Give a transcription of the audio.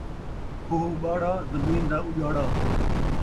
کھوہ ٻاڑا ، زمین دا اُڄاڑا